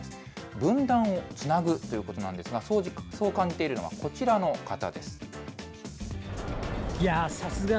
分断をつなぐということなんですが、そう感じているのはこちらの方です。